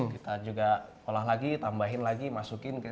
kita juga olah lagi tambahin lagi masukin ke